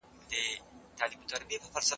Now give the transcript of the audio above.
په جګړه کي بريا د پوځ مورال لوړوي.